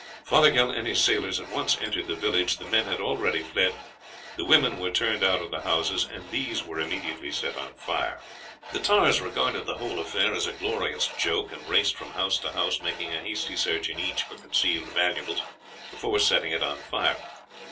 Fothergill and his sailors at once entered the village. The men had already fled; the women were turned out of the houses, and these were immediately set on fire. The tars regarded the whole affair as a glorious joke, and raced from house to house, making a hasty search in each for concealed valuables before setting it on fire.